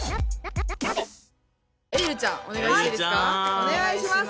お願いします！